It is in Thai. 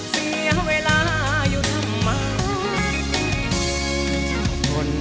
เสียเวลาอยู่ทำไม